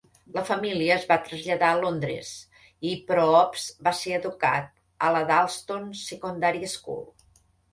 La família es va traslladar a Londres i Proops va ser educat a la Dalston Secondary School.